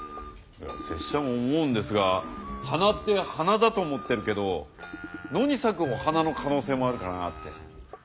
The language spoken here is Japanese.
いや拙者も思うんですが「はな」って鼻だと思ってるけど野に咲くお花の可能性もあるかなって。